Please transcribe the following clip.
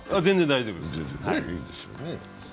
全然大丈夫。